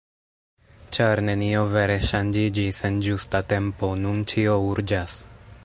Ĉar nenio vere ŝanĝiĝis en ĝusta tempo, nun ĉio urĝas.